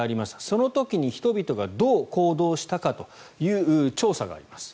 その時に人々がどう行動したかという調査があります。